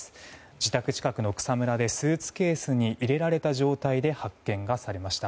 自宅近くの草むらでスーツケースに入れられた状態で発見されました。